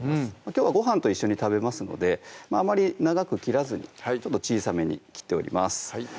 きょうはご飯と一緒に食べますのであまり長く切らずに小さめに切っております